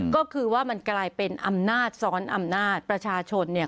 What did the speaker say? ก็คือว่ามันกลายเป็นอำนาจซ้อนอำนาจประชาชนเนี่ย